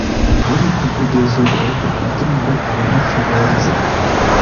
ariko kugeza ubu haracyari abahacururiza